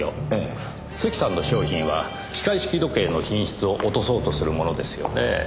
関さんの商品は機械式時計の品質を落とそうとするものですよねえ。